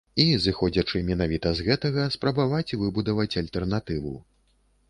І, зыходзячы менавіта з гэтага, спрабаваць выбудаваць альтэрнатыву.